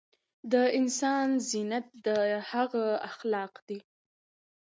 د انسان زينت د هغه اخلاق دي